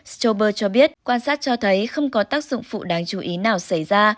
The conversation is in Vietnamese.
stober cho biết quan sát cho thấy không có tác dụng phụ đáng chú ý nào xảy ra